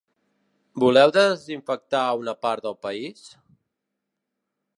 Voleu desinfectar una part del país?